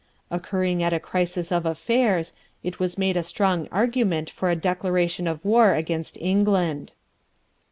Occurring at a crisis of affairs, it was made a strong argument for a declaration of war against England.